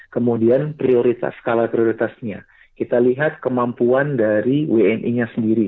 kemudian prioritas skala prioritasnya kita lihat kemampuan dari wni nya sendiri